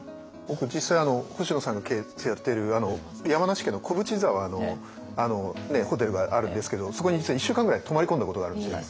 僕実際星野さんの経営やってる山梨県の小淵沢のホテルがあるんですけどそこに実は１週間ぐらい泊まり込んだことがあるんですね。